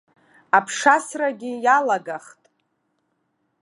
Аԥшасрагьы иалагахт!